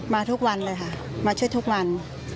ทุกวันเลยค่ะมาช่วยทุกวัน